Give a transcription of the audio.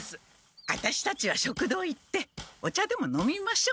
ワタシたちは食堂行ってお茶でも飲みましょ。